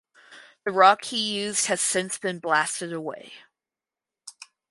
The rock he used has since been blasted away.